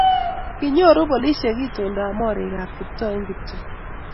kinyoru polisiek itondab morikab Kiptoo eng kiptule